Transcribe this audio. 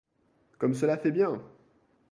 Comme cela fait bien!